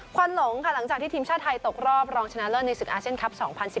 หลงค่ะหลังจากที่ทีมชาติไทยตกรอบรองชนะเลิศในศึกอาเซียนคลับ๒๐๑๘